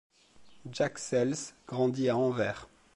Jack Sels grandit à Anvers.